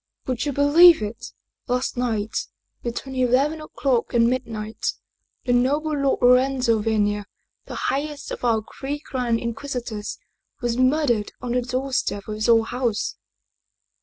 " Would you believe it! Last night, between eleven o'clock and mid night, the noble Lord Lorenzo Venier, the highest of our three grand Inquisitors, was murdered on the doorstep of his own house!